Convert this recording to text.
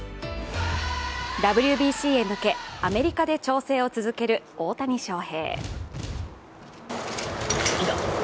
ＷＢＣへ向けアメリカで調整を続ける大谷翔平。